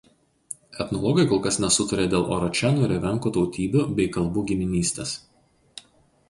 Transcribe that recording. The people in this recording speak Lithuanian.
Etnologai kol kas nesutaria dėl oročenų ir evenkų tautybių bei kalbų giminystės.